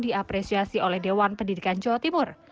diapresiasi oleh dewan pendidikan jawa timur